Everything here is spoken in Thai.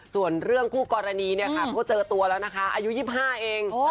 ส่วนเรื่องคู่กรณีเนี่ยค่ะก็เจอตัวแล้วนะคะอายุ๒๕เอง